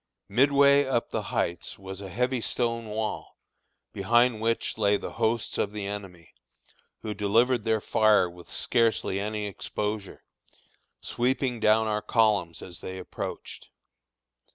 Midway up the Heights was a heavy stone wall, behind which lay the hosts of the enemy, who delivered their fire with scarcely any exposure, sweeping down our columns as they approached.